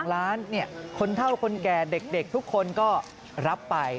๒ล้านคนเท่าคนแก่เด็กทุกคนก็รับไป